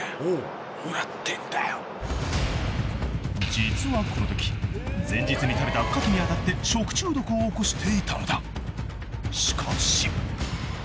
［実はこのとき前日に食べたカキにあたって食中毒を起こしていたのだ］